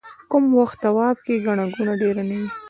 کوم وخت طواف کې ګڼه ګوڼه ډېره نه وي.